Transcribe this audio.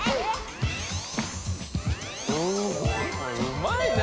うまいな。